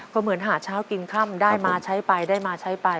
ก็เหมือนหาเช้ากินค่ำได้มาใช้ไปได้มาใช้ไป